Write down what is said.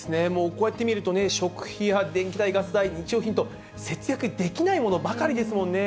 こうやって見るとね、食費や電気代、ガス代、日用品と、節約できないものばかりですもんね。